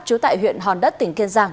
trú tại huyện hòn đất tỉnh kiên giang